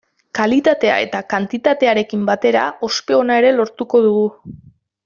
Kalitatea eta kantitatearekin batera ospe ona ere lortuko dugu.